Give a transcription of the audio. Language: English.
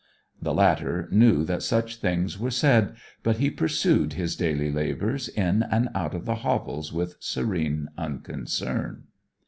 The latter knew that such things were said, but he pursued his daily' labours in and out of the hovels with serene unconcern.